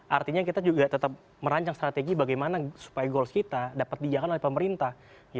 artinya kita juga tetap merancang strategi bagaimana supaya goals kita dapat dijaga oleh pemerintah